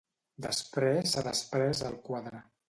Després s'ha desprès el quadre.